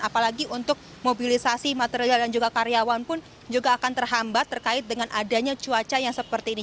apalagi untuk mobilisasi material dan juga karyawan pun juga akan terhambat terkait dengan adanya cuaca yang seperti ini